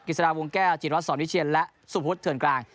กิสดาวงแก้จิตวัสสอมพิเชียนและสุภุธเถิดกลาง